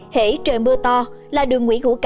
hể trời mưa to là đường nguyên hữu của chúng ta